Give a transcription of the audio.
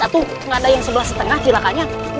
atau gak ada yang sebelah setengah silahkan